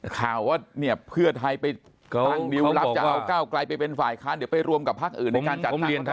ข่าวว่าเนี่ยเพื่อไทยไปทางดิวรับจะเอาเก้ากลายไปเป็นฝ่ายค้านเดี๋ยวไปรวมกับภาคอื่นในการจัดทางมัธมาดิบาล